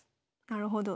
なるほど。